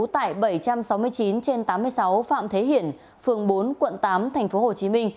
tại bảy trăm sáu mươi chín trên tám mươi sáu phạm thế hiển phường bốn quận tám tp hcm